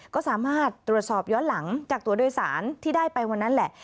ก็สามารถตรวจสอบย้อนหลังจากตัวโดยสารที่ได้ไปวันนั้นแหละ